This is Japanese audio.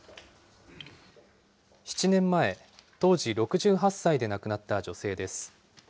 ７年前、当時６８歳で亡くなった女性です。